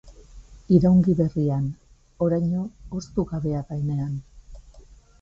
Iraungi berrian, oraino hoztu gabea denean.